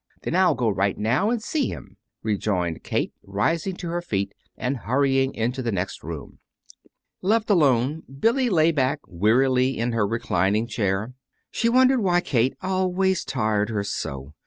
"Then I'll go right now and see him," rejoined Kate, rising to her feet and hurrying into the next room. Left alone, Billy lay back wearily in her reclining chair. She wondered why Kate always tired her so.